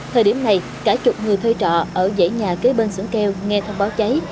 thời điểm này cả chục người thuê trọ ở dãy nhà kế bên xưởng kèo nghe thông báo cháy